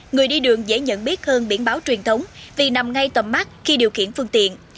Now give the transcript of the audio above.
người đi đường dễ nhận biết hơn biển báo truyền thống vì nằm ngay tầm mắt khi điều khiển phương tiện